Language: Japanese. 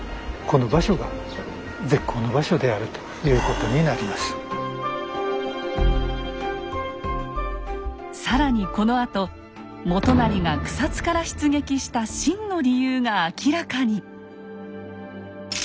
つまり更にこのあと元就が草津から出撃した真の理由が明らかに！